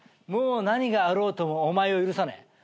もう何があろうともお前を許さねえ。